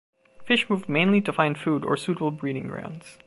Fish move mainly to find food or suitable breeding grounds.